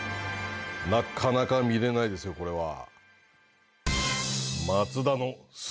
なかなか見れないですよ、これは。